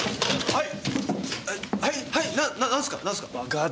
はい。